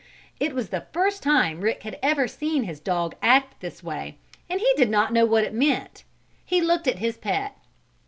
It was the first time Rick had ever seen his dog act this way, and he did not know what it meant. He looked at his pet.